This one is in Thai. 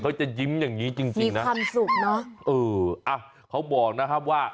เขาจะยิ้มอย่างงี้จริงจริงนะความสุขเนอะเอออ่ะเขาบอกนะครับว่า